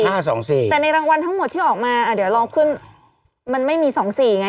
ห้าสองสี่แต่ในรางวัลทั้งหมดที่ออกมาอ่าเดี๋ยวลองขึ้นมันไม่มีสองสี่ไง